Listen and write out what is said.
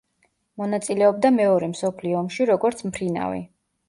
მონაწილეობდა მეორე მსოფლიო ომში როგორც მფრინავი.